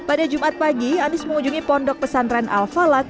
pada jumat pagi anies mengunjungi pondok pesantren al falak